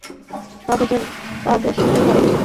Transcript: কাজেই তাহাতে শোকের কারণ কিছুই নাই।